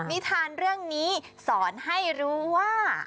นิทานเรื่องนี้สอนให้รู้ว่า